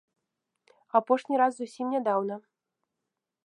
Апошні раз зусім нядаўна.